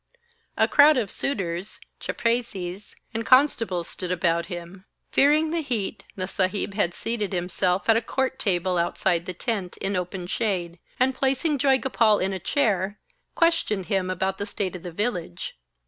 A crowd of suitors, chaprasies, and constables stood about him. Fearing the heat, the Saheb had seated himself at a court table outside the tent, in the open shade, and placing Joygopal in a chair, questioned him about the state of the village.